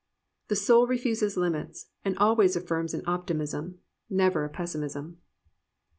The soul refuses Hmits, and always aflfirms an Optimism, never a Pessimism."